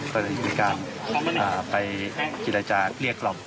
ก็ได้มีการไปกิจรายจากเรียกกล่อม